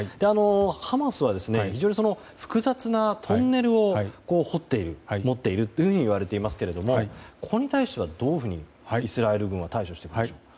ハマスは非常に複雑なトンネルを掘っているといわれていますがここに対してはどのようにイスラエル軍は対処するのでしょうか。